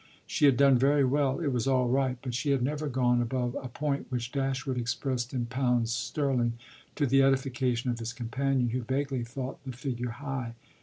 She had done very well, it was all right, but she had never gone above a point which Dashwood expressed in pounds sterling, to the edification of his companion, who vaguely thought the figure high.